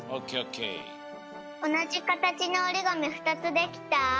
おなじかたちのおりがみ２つできた？